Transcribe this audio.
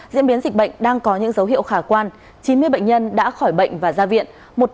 diễn biến dịch bệnh đang có những dấu hiệu khả quan chín mươi bệnh nhân đã khỏi bệnh và ra viện